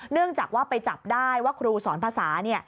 เนื่องจากว่าไปจับได้ว่าครูสอนภาษา